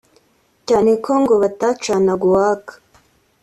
cyane ko ngo batacanaga uwaka